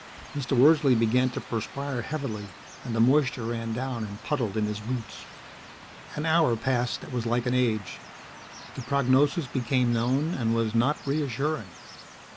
Mr. Wordsley began to perspire heavily, and the moisture ran down and puddled in his boots. An hour passed that was like an age. The prognosis became known and was not reassuring.